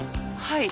はい。